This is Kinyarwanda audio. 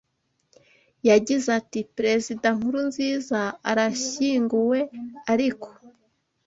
yagize ati “Perezida Nkurunziza arashyinguwe ariko